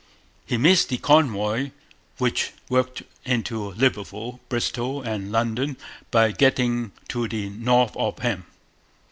He missed the convoy, which worked into Liverpool, Bristol, and London by getting to the north of him.